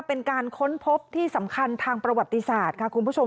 เป็นการค้นพบที่สำคัญทางประวัติศาสตร์ค่ะคุณผู้ชม